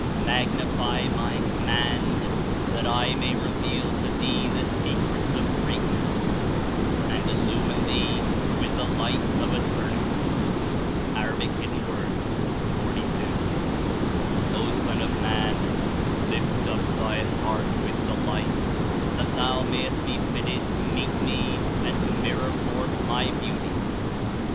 Magnify my Command, that I may reveal to thee the secrets of Greatness and il lumine thee with the Lights of Eternity." (A. 42.) '^O Son of Man! Lift up thy heart with delight, that thou mayest be fitted to meet Me and to mirror forth my Beauty." (A.